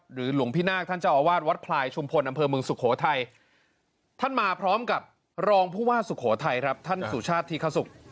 หรือหลวงพี่นากท่านเจ้าอวาดวัดคลายชมพลอำเภอบุงท่านมาพร้อมกับรองพุทธว่าท่านสูชาธิฆสุข